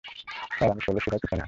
Sir, আমি শৈলশিলার পিছনে আছি।